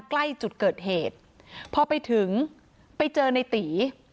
ใกล้จุดเกิดเหตุพอไปถึงไปเจอในตี